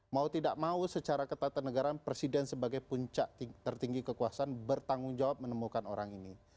mau tidak mau secara ketatanegaraan presiden sebagai puncak tertinggi kekuasaan bertanggung jawab menemukan orang ini